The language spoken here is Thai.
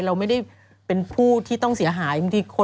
เราไม่ได้เป็นผู้ที่ต้องเสียหายบางทีคน